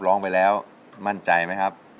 ร้องไปแล้วมั่นใจไหมครับ